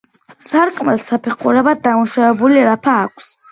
სარკმელს საფეხურებად დამუშავებული რაფა აქვს.